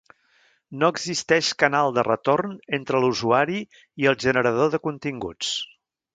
No existeix canal de retorn entre l’usuari i el generador de continguts.